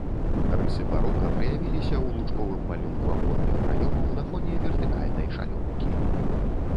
Рысы барока праявіліся ў лучковым малюнку аконных праёмаў на фоне вертыкальнай шалёўкі.